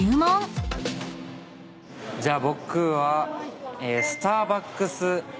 じゃあ僕は。